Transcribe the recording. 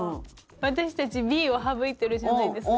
私たちＢを省いてるじゃないですか。